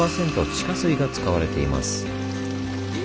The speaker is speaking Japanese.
地下水が使われています。